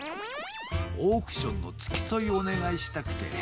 オークションのつきそいおねがいしたくてね。